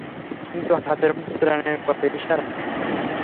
কিন্তু হাতের মধ্যে প্রাণের কত ইশারা!